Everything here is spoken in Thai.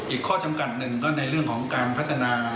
อีกข้อจำกัดหนึ่งก็ในเรื่องของการพัฒนา